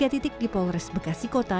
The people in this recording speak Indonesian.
tiga titik di polres bekasi kota